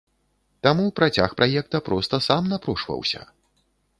Таму працяг праекта проста сам напрошваўся.